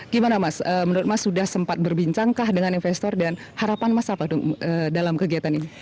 gimana mas menurut mas sudah sempat berbincangkah dengan investor dan harapan mas apa dalam kegiatan ini